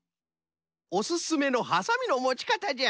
おすすめのはさみのもち方じゃ。